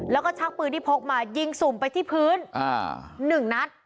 แล้วก็ชักปืนที่พกมายิงสุ่มไปที่พื้น๑นัด